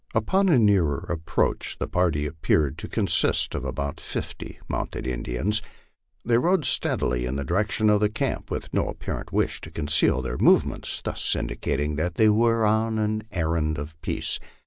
Upon a nearer approach the party appeared to con sist of about fifty mounted Indians. They rode steadily in the direction of the camp, with no apparent wish to conceal their movements, thus indicating that they were on an errand of peace.